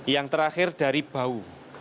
yang terakhir dari bau